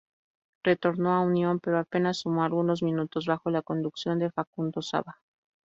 Retornó a Unión pero apenas sumó algunos minutos bajo la conducción de Facundo Sava.